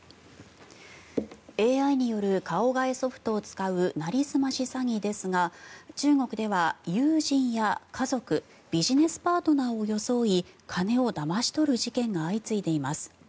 ＡＩによる顔替えソフトを使うなりすまし詐欺ですが中国では友人や家族ビジネスパートナーを装い金をだまし取る事件が相次いでいます。